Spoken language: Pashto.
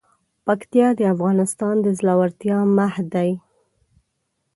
پکتیا د افغانستان د زړورتیا مهد دی.